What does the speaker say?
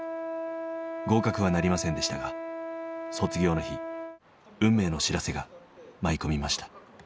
合格はなりませんでしたが卒業の日運命の知らせが舞い込みました。